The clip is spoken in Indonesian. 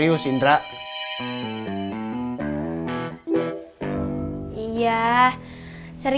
itu reid makan lepas ini